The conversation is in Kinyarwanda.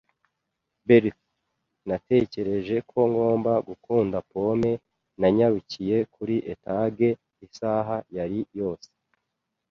berth, natekereje ko ngomba gukunda pome. Nanyarukiye kuri etage. Isaha yari yose